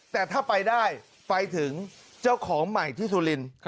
แต่ถ้าไปได้ไปถึงเจ้าของใหม่ที่สุรินทร์